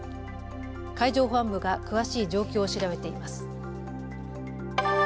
海上保安部が詳しい状況を調べています。